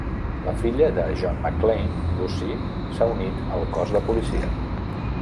La filla de John McClane, Lucy, s'ha unit al cos de policia.